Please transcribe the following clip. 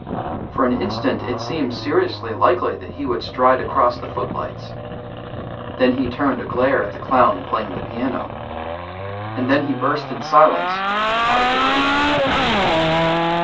For an instant it seemed seriously likely that he would stride across the footlights; then he turned a glare at the clown playing the piano; and then he burst in silence out of the room.